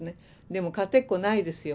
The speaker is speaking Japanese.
でも勝てっこないですよ。